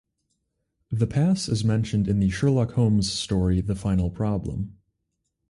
The pass is mentioned in the Sherlock Holmes story The Final Problem.